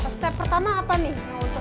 step pertama apa nih